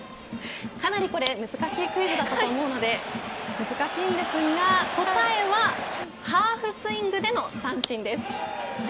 かなりこれ難しいクイズだと思うので難しいんですが、答えはハーフスイングでの三振です。